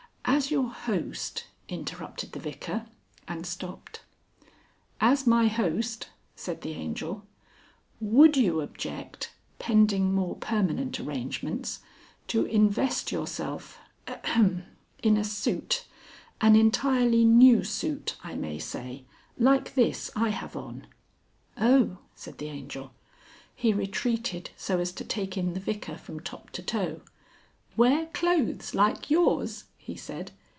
"As your host," interrupted the Vicar, and stopped. "As my host," said the Angel. "Would you object, pending more permanent arrangements, to invest yourself, ahem, in a suit, an entirely new suit I may say, like this I have on?" "Oh!" said the Angel. He retreated so as to take in the Vicar from top to toe. "Wear clothes like yours!" he said.